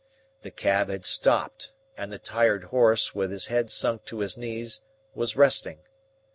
The cab had stopped and the tired horse, with his head sunk to his knees, was resting.